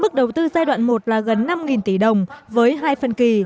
mức đầu tư giai đoạn một là gần năm tỷ đồng với hai phân kỳ